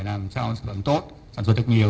nó vẫn tốt sản xuất được nhiều